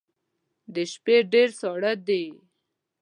د شپې ډیر ساړه دی